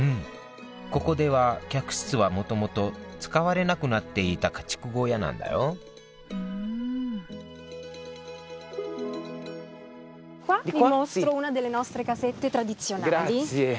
ここでは客室はもともと使われなくなっていた家畜小屋なんだよグラッツェ。